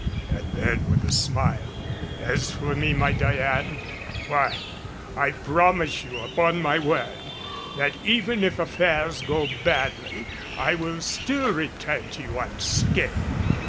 And then with a smile, "As for me, my Diane, why I promise you upon my word that, even if affairs go badly, I will still return to you unscathed.